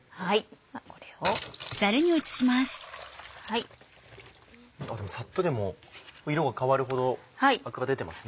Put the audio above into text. これを。でもさっとでも色が変わるほどアクが出てますね。